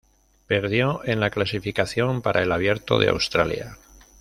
Perdió en la clasificación para el Abierto de Australia.